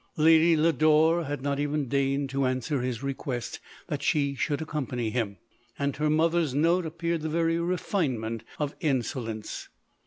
Lady Lodore had not even deigned to answer his request that she should accompany him ; and her mother's note appeared the very refinement of insolence.